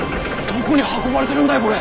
どこに運ばれてるんだい